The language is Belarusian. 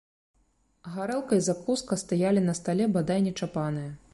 Гарэлка і закуска стаялі на стале бадай нечапаныя.